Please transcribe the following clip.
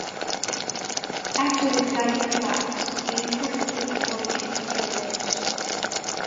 After a dike collapsed, Vanport City, Oregon was deluged.